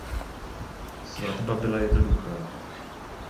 Svatba byla jednoduchá.